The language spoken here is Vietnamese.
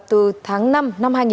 từ tháng năm năm hai nghìn hai mươi